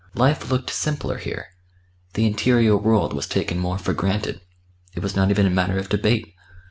Life looked simpler here; the interior world was taken more for granted; it was not even a matter of debate.